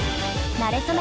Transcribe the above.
なれそめ！